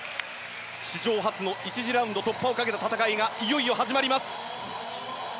史上初の１次ラウンド突破をかけた戦いがいよいよ始まります。